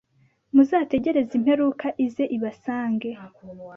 muzategereze imperuka ize ibasange